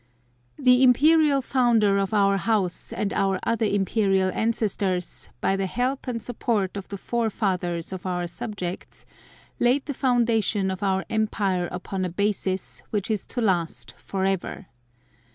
The Imperial Founder of Our House and Our other Imperial ancestors, by the help and support of the forefathers of Our subjects, laid the foundation of Our Empire upon a basis, which is to last forever.